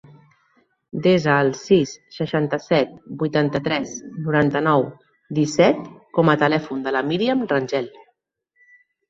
Desa el sis, seixanta-set, vuitanta-tres, noranta-nou, disset com a telèfon de la Míriam Rangel.